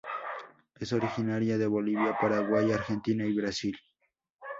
Es originaria de Bolivia, Paraguay, Argentina, y Brasil.